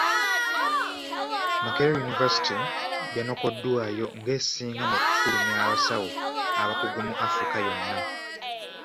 Makerere University yanokoddwayo ng’esinga mu kufulumya abasawo abakugu mu Africa yonna.